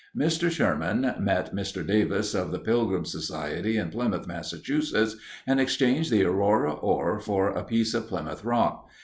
Mr. Sherman met Mr. Davis of the Pilgrim Society in Plymouth, Massachusetts, and exchanged the Aurora ore for a piece of Plymouth Rock.